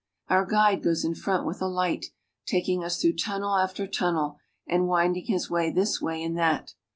Our guide goes in front with a light, taking us through tunnel after tunnel, and winding his way this way and that.